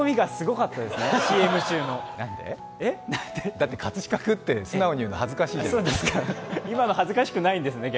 だって葛飾区って素直に言うの恥ずかしいじゃない。